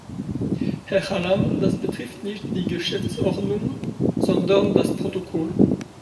Herr Hallam, das betrifft nicht die Geschäftsordnung, sondern das Protokoll.